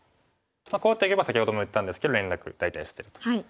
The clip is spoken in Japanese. こう打っておけば先ほども言ったんですけど連絡大体してると。